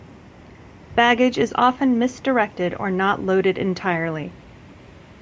Baggage is often misdirected or not loaded entirely.